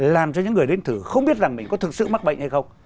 làm cho những người đến thử không biết rằng mình có thực sự mắc bệnh hay không